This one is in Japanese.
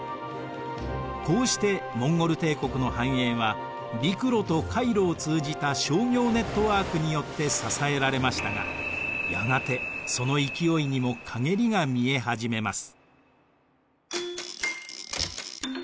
こうしてモンゴル帝国の繁栄は陸路と海路を通じた商業ネットワークによって支えられましたがやがてその勢いにもかげりが見え始めます。